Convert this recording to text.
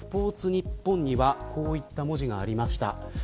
ニッポンにはこういった文字がありました。